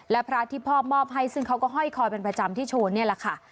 และพระที่พ่อมอบให้ซึ่งเขาก็ห้อยคอยเป็นประจำที่โชว์นี่แหละค่ะ